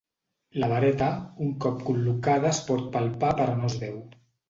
La vareta, un cop col·locada es pot palpar però no es veu.